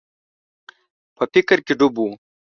په فکر کي ډوب و.